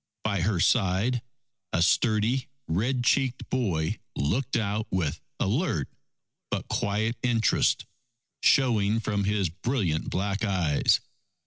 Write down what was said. By her side a sturdy red cheeked boy looked out with alert but quiet interest showing from his brilliant black eyes.